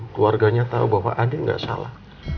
keluarganya tahu bahwa adik nggak salah